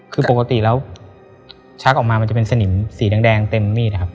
คือปกติแล้วชักออกมามันจะเป็นสนิมสีแดงเต็มมีดนะครับ